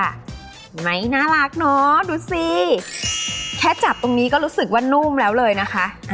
เห็นไหมน่ารักเนอะดูสิแค่จับตรงนี้ก็รู้สึกว่านุ่มแล้วเลยนะคะ